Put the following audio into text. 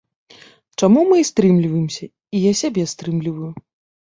Чаму мы і стрымліваемся, і я сябе стрымліваю.